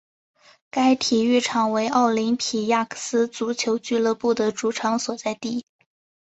该体育场为奥林匹亚克斯足球俱乐部的主场所在地。